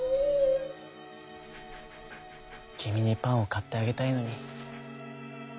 「きみにパンをかってあげたいのに」。